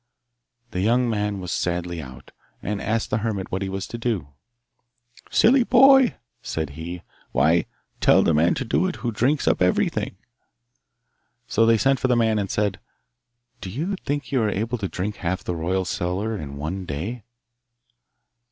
The young man went sadly out, and asked the hermit what he was to do. 'Silly boy!' said he. 'Why, tell the man to do it who drinks up everything.' So they sent for the man and said, 'Do you think you are able to drink half the royal cellar in one day?